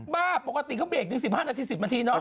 บ้าปกติเขาเบรกถึง๑๕นาที๑๐นาทีเนาะ